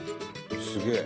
すげえ！